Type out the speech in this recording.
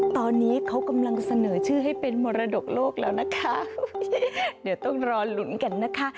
ตอนนี้เขากำลังเสนอชื่อให้เป็นมรดกโลกแล้วนะคะเดี๋ยวต้องรอลุ้นกันนะคะ